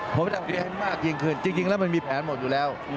ผมจะเรียนมากยิ่งขึ้นจริงแล้วมันมีแผนหมดอยู่แล้ว